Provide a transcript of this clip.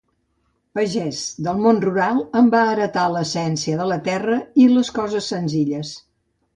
Pagès, del món rural en va heretar l'essència de la terra i les coses senzilles.